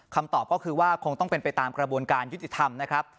คำตอบก็คือว่าคงต้องเป็นไปตามกระบวนการยุติธรรมนะครับ